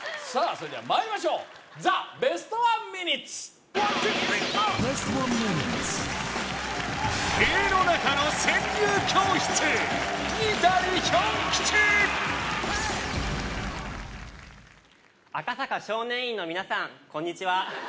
それではまいりましょうザ・ベストワンミニッツ赤坂少年院の皆さんこんにちは